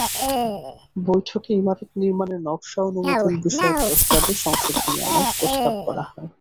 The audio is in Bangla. বৈঠকে ইমারত নির্মাণের নকশা অনুমোদন বিষয়ক প্রস্তাবে সংশোধনী আনার প্রস্তাব করা হয়।